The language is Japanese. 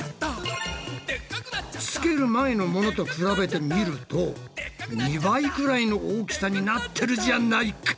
つける前のものと比べてみると２倍ぐらいの大きさになってるじゃないか。